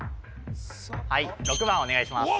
はい６番お願いします